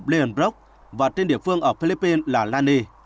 lienbrock và tên địa phương ở philippines là lani